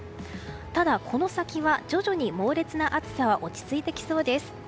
ただこの先は徐々に猛烈な暑さは落ち着いてきそうです。